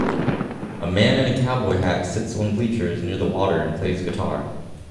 A man in a cowboy hat sits on bleachers near the water and plays guitar